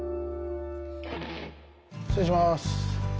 失礼します。